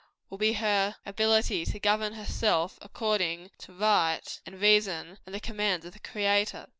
will be her ability to govern herself according to right, and reason, and the commands of the Creator.